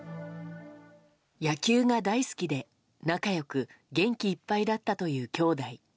野球が大好きで、仲良く元気いっぱいだったという兄弟。